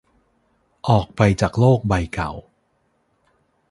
ออกไปจากโลกใบเก่า